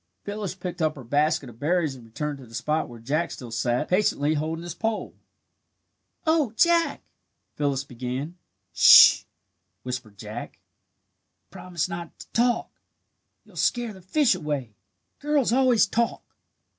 Phyllis picked up her basket of berries and returned to the spot where Jack still sat patiently holding his pole. "Oh, Jack " Phyllis began. "Sh h h h!" whispered Jack. "You promised not to talk. You'll scare the fish away. Girls always talk."